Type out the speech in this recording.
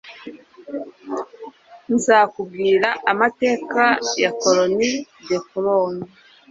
Nzakubwira amateka ya Cloony the Clown